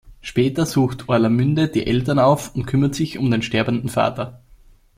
Später sucht Orlamünde die Eltern auf und kümmert sich um den sterbenden Vater.